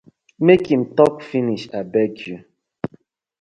Mek im tok finish abeg yu.